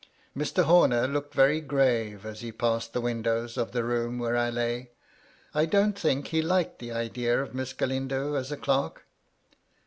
Mr. Homer looked very grave as he passed the windows of the room where I lay. I don't think he liked the idea of Miss Galindo as a clerk.